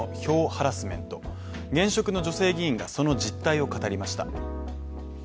ハラスメント現職の女性議員がその実態を語りました。